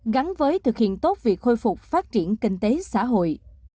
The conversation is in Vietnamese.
gắn với thực hiện tốt việc khôi phục phát triển kinh tế xã hội